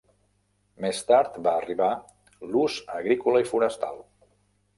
Més tard va arribar l'ús agrícola i forestal.